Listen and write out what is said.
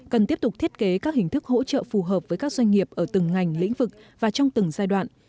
cần tiếp tục thiết kế các hình thức hỗ trợ phù hợp với các doanh nghiệp ở từng ngành lĩnh vực và trong từng giai đoạn